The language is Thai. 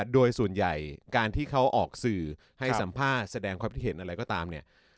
โดยส่วนใหญ่การที่เขาออกสื่อให้สัมภาษณ์แสดงความคิดเห็นอะไรก็ตามเนี่ย